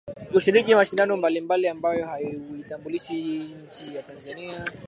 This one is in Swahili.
kushiriki mashindano mbalimbali ambayo huitambulisha nchi ya Tanzania